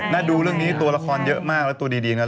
ดูเรื่องนี้ตัวละครเยอะมากแล้วตัวดีนะ